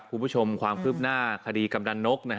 คุณผู้ชมความคืบหน้าคดีกำดันนก